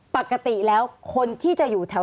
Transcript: ปกติแล้วคนที่จะอยู่แถว